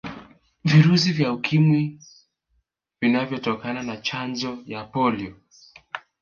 virusi vya ukimwi vinatokana na Chanjo ya polio